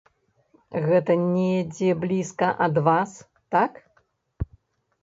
Гэта недзе блізка ад вас, так?